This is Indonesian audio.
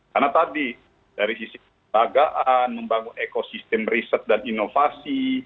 karena tadi dari sisi kelembagaan membangun ekosistem riset dan inovasi